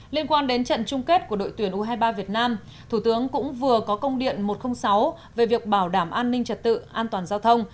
liên quan đến trận chung kết của đội tuyển u hai mươi ba việt nam thủ tướng cũng vừa có công điện một trăm linh sáu về việc bảo đảm an ninh trật tự an toàn giao thông